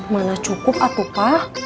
mana cukup atu pak